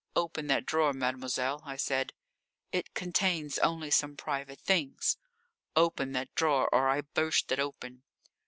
"Open that drawer, mademoiselle," I said. "It contains only some private things." "Open that drawer or I burst it open."